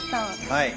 はい。